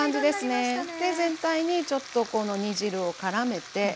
で全体にちょっとこの煮汁をからめて。